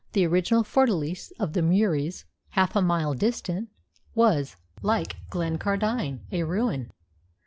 The original fortalice of the Muries, half a mile distant, was, like Glencardine, a ruin.